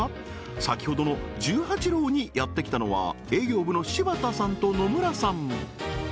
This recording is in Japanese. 先ほどの十八楼にやって来たのは営業部の柴田さんと野村さん